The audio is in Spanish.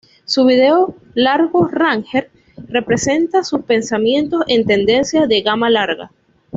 Su video "Largo Ranger" presenta sus pensamientos en tendencias de gama larga.